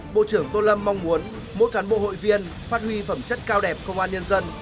bộ trưởng tô lâm mong muốn mỗi cán bộ hội viên phát huy phẩm chất cao đẹp công an nhân dân